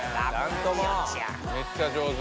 めっちゃ上手。